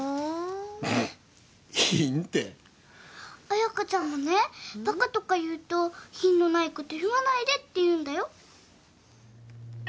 彩香ちゃんもねバカとか言うと「品のないこと言わないで」って言うんだよ。